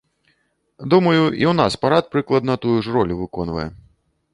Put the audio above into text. Думаю, і ў нас парад прыкладна тую ж ролю выконвае.